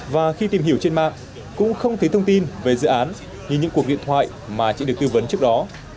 và khi tìm hiểu trên mạng cũng không thấy thông tin về dự án như những cuộc điện thoại mà chị được tư vấn trước đó